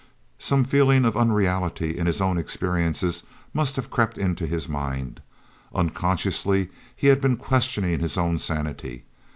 ome feeling of unreality in his own experiences must have crept into his mind; unconsciously he had been questioning his own sanity.